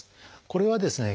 これはですね